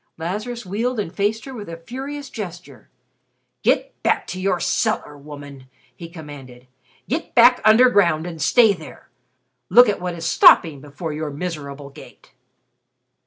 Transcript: Lazarus wheeled and faced her with a furious gesture. "Get back to your cellar, woman," he commanded. "Get back under ground and stay there. Look at what is stopping before your miserable gate."